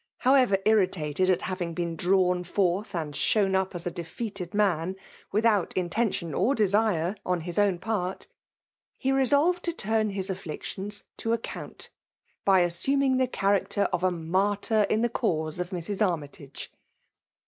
' However irritated at having 1>een drawn forth and shown up as a defeated inan^ without intention or desire on his own part> he resolved to turn his afflictions to ao^ oovnt, by assuming the character of a martjv in die cause of Mrs. Armytage.